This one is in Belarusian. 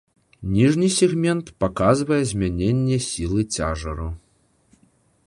Ніжні сегмент паказвае змяненне сілы цяжару.